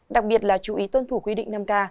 đặc biệt là chú ý tuân thủ quy định năm k